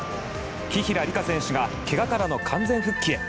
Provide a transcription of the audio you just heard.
紀平梨花選手が怪我からの完全復帰へ。